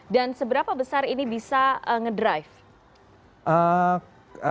dan seberapa besar ini bisa ngedrive